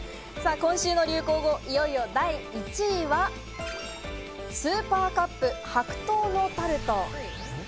今週の流行語いよいよ第１位は、スーパーカップ白桃のタルト。